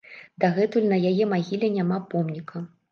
Дагэтуль на яе магіле няма помніка.